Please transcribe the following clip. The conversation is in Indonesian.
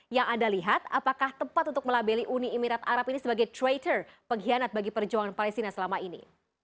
yang anda lihat apakah tepat untuk melabeli uni emirat arab ini sebagai traater pengkhianat bagi perjuangan palestina selama ini